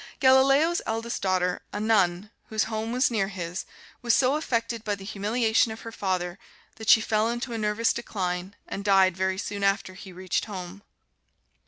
Galileo's eldest daughter, a nun, whose home was near his, was so affected by the humiliation of her father that she fell into a nervous decline and died very soon after he reached home.